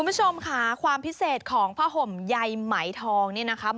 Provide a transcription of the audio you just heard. คุณผู้ชมค่ะความพิเศษของผ้าห่มใยไหมทองนี่นะคะ